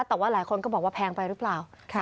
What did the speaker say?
แต่ว่าหลายคนก็บอกว่าแพงไปหรือเปล่า